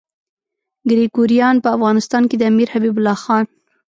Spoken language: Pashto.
ګریګوریان په افغانستان کې د امیر حبیب الله خان.